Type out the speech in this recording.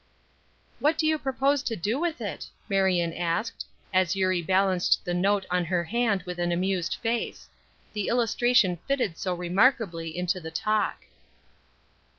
"What do you propose to do with it?" Marion asked, as Eurie balanced the note on her hand with an amused face; the illustration fitted so remarkably into the talk.